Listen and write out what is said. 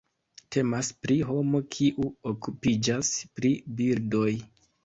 Temas pri homo kiu okupiĝas pri birdoj.